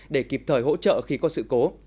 để kịp thời hỗ trợ khi có sự cố